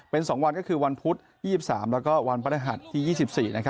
เป็น๒วันก็คือวันพุธ๒๓แล้วก็วันพฤหัสที่๒๔